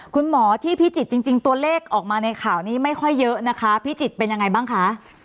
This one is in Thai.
คุณหมอที่พิจิตรจริงตัวเลขออกมาในข่าวนี้ไม่ค่อยเยอะนะคะพิจิตรเป็นยังไงบ้างคะ